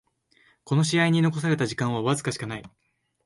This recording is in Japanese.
この試合に残された時間はわずかしかない